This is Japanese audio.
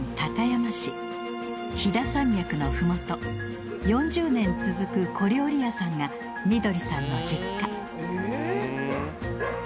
飛騨山脈の麓４０年続く小料理屋さんがみどりさんの実家。